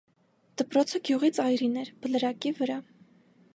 Դպրոցը գյուղի ծայրին էր, բլրակի վրա: